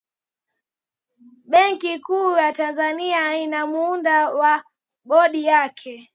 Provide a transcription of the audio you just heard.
benki kuu ya tanzania ina muundo wa bodi yake